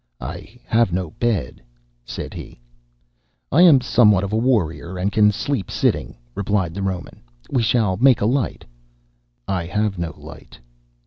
"I have no bed," said he. "I am somewhat of a warrior and can sleep sitting," replied the Roman. "We shall make a light." "I have no light."